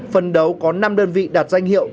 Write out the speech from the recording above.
phần đấu có năm đơn vị đạt danh hiệu